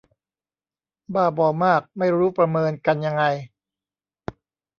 บ้าบอมาก ไม่รู้ประเมินกันยังไง